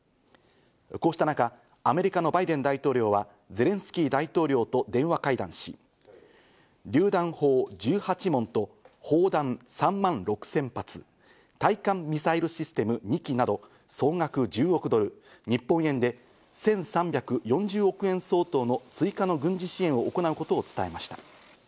こうした中、アメリカのバイデン大統領はゼレンスキー大統領と電話会談し、りゅう弾砲１８門と砲弾３万６０００発、対艦ミサイルシステム２基など、総額１０億ドル、日本円で１３４０億円相当の追加の軍事支援を行うことを伝えました。